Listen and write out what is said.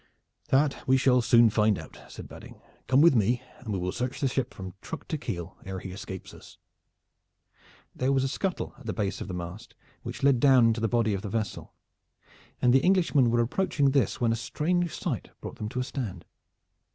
"That we shall soon find out," said Badding. "Come with me and we will search the ship from truck to keel ere he escapes us." There was a scuttle at the base of the mast which led down into the body of the vessel, and the Englishmen were approaching this when a strange sight brought them to a stand.